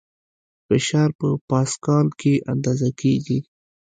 فشار په پاسکال کې اندازه کېږي.